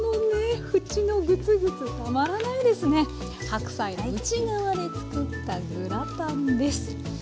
白菜の内側でつくったグラタンです。